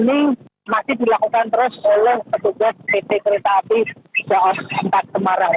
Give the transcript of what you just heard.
ya sampai saat ini proses perbaikan dan kemuliaan kelintasan kereta jalan madukoro semarang ini